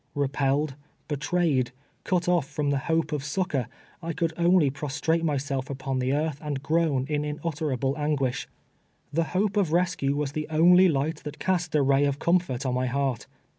Repelled, betrayed, cut off from the hojje of succor, I could only prostrate myself upon the earth and groan in unutterable an guish. The hope of rescue was the only light that cast a ray of comfort on my heart.